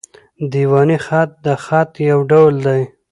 دېواني خط؛ د خط یو ډول دﺉ.